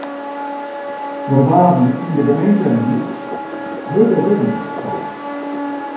Der waarden yn de gemeenteried hurde wurden sein.